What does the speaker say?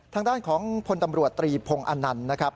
ทางด้านของพลตำรวจตรีพงศ์อนันต์นะครับ